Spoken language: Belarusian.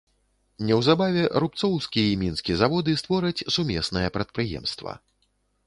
Неўзабаве рубцоўскі і мінскі заводы створаць сумеснае прадпрыемства.